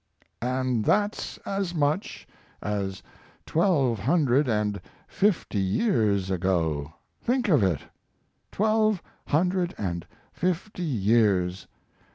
] and that's as much, as twelve hundred and fifty years ago think of it! Twelve hundred and fifty years!